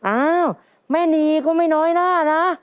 อ้าวแม่นีก็ไม่น้อยหน้านะ